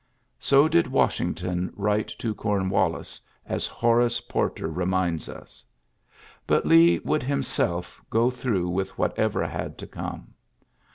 So did Washington write to Cornwallis, as Horace Porter reminds us. But Lee would himself go through with whatever had to come.